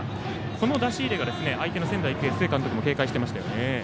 この出し入れが相手の仙台育英須江監督も警戒していましたね。